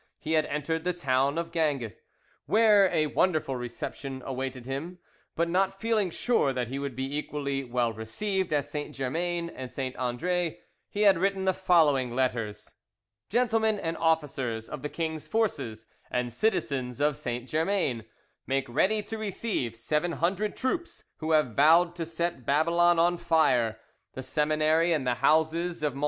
He had entered the town of Ganges, where a wonderful reception awaited him; but not feeling sure that he would be equally well received at St. Germain and St. Andre, he had written the following letters:— "Gentlemen and officers of the king's forces, and citizens of St. Germain, make ready to receive seven hundred troops who have vowed to set Babylon on fire; the seminary and the houses of MM.